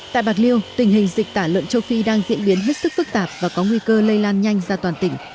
tại bạc liêu tình hình dịch tả lợn châu phi đang diễn biến hết sức phức tạp và có nguy cơ lây lan nhanh ra toàn tỉnh